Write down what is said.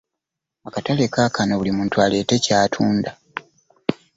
Akatale kaakano buli muntu aleete ky'atunda.